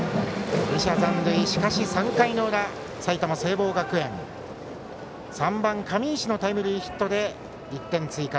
２者残塁、３回の裏しかし埼玉の聖望学園３番、上石のタイムリーヒットで１点追加。